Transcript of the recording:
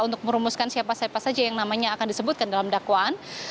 untuk merumuskan siapa siapa saja yang namanya akan disebutkan dalam dakwaan